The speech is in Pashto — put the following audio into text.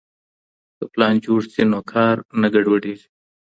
که پلان جوړ سي نو کار نه ګډوډېږي.